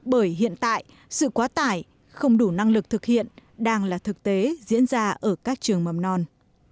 bởi hiện tại sự quá tải không đủ năng lực thực hiện đang là thực tế diễn ra ở các trường mầm non